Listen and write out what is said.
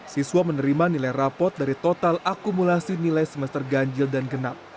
siswa menerima nilai rapot dari total akumulasi nilai semester ganjil dan genap